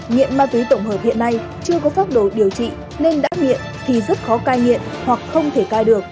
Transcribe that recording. nhiện ma túy tổng hợp hiện nay chưa có pháp đồ điều trị nên đã nhiện thì rất khó cai nhiện hoặc không thể cai được